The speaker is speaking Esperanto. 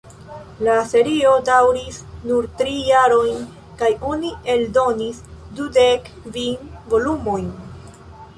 La serio daŭris nur tri jarojn kaj oni eldonis dudek kvin volumojn.